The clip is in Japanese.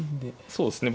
そうですね。